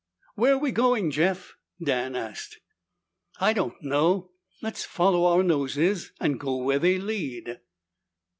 "Where we going, Jeff?" Dan asked. "I don't know. Let's follow our noses and go where they lead."